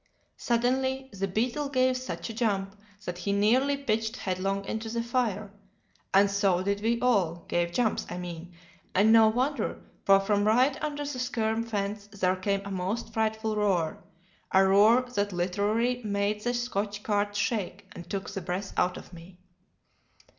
"Suddenly, the beetle gave such a jump that he nearly pitched headlong into the fire, and so did we all gave jumps, I mean, and no wonder, for from right under the skerm fence there came a most frightful roar a roar that literally made the Scotch cart shake and took the breath out of me.